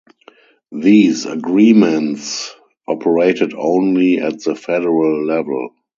These agreements operated only at the federal level.